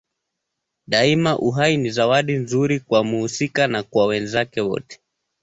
Daima uhai ni zawadi nzuri kwa mhusika na kwa wenzake wote.